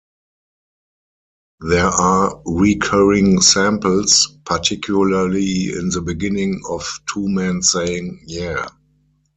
There are recurring samples, particularly in the beginning, of two men saying yeah!